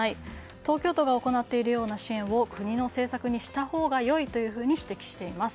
東京都が行っているような支援を国の政策にしたほうが良いと指摘しています。